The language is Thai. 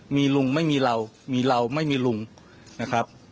มีลุงไม่มีเรามีเราไม่มีลุงนะครับ